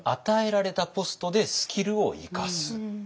与えられたポストでスキルを生かす。